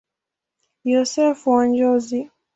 Yosefu wa Njozi.